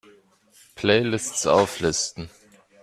Playlists auflisten!